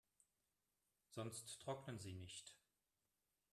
Sonst trocknen sie nicht.